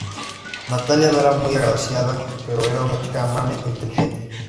Natalia no era muy agraciada, pero era una chica amable e inteligente.